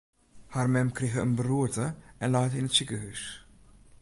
Har mem krige in beroerte en leit yn it sikehús.